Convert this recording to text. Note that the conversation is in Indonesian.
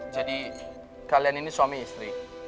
jadi kalian ini suami istri